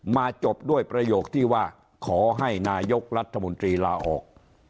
จบด้วยประโยคที่ว่าขอให้นายกรัฐมนตรีลาออก